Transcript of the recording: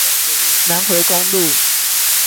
南迴公路